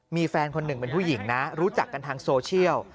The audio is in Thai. มีแฟนคนหนึ่งเป็นผู้หญิงนะรู้จักกันทางโซเชียล